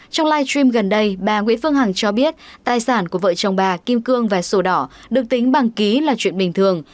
trong live stream gần đây bà nguyễn phương hằng cho biết tài sản của vợ chồng bà kim cương và sổ đỏ được tính bằng ký là chuyện bình thường